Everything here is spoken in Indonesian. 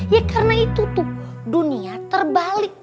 ya karena itu tuh dunia terbalik